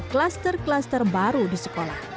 kluster kluster baru di sekolah